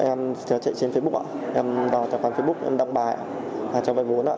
em sẽ chạy trên facebook em vào trạm phần facebook em đăng bài cho vay vốn